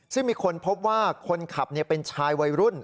ซึ่งมีคนพบว่าคนขับเป็นชายวัยรุ่น